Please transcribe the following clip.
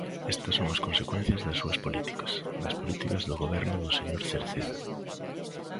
Estas son as consecuencias das súas políticas, das políticas do Goberno do señor Cerceda.